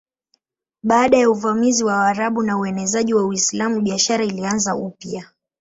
Baada ya uvamizi wa Waarabu na uenezaji wa Uislamu biashara ilianza upya.